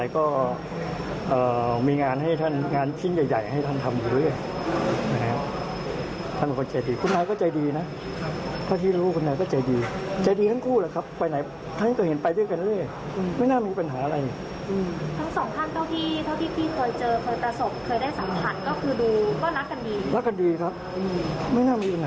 ก็คือดูก็รักกันดีรักกันดีครับอืมไม่น่ามีปัญหา